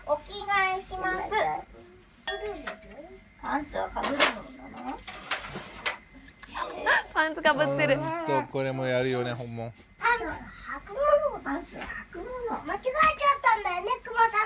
ほんとこれもやるよね。